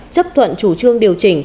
chấp thuận chủ trương điều chỉnh